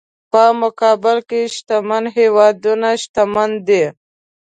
په مقابل کې شتمن هېوادونه شتمن دي.